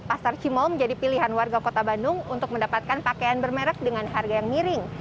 pasar cimol menjadi pilihan warga kota bandung untuk mendapatkan pakaian bermerek dengan harga yang miring